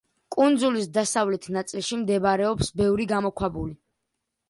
კუნძულის დასავლეთ ნაწილში მდებარეობს ბევრი გამოქვაბული.